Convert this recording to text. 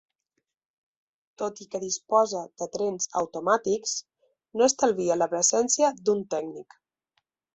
Tot i que disposa de trens automàtics, no estalvia la presència d'un tècnic.